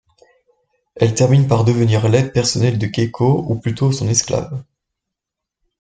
Elle termine par devenir l'aide personnel de Keiko, ou plutôt son esclave.